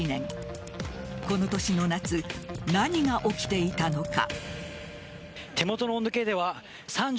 この年の夏何が起きていたのか。